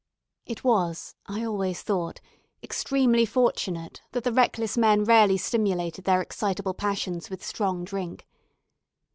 It was, I always thought, extremely fortunate that the reckless men rarely stimulated their excitable passions with strong drink.